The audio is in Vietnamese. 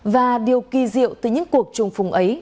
và điều kỳ diệu từ những cuộc trùng phùng ấy